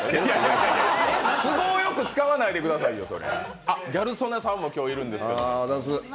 都合よく使わないでくださいよ、それ。